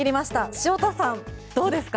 潮田さん、どうですか。